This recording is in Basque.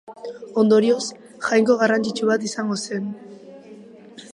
Ondorioz, jainko garrantzitsu bat izango zen.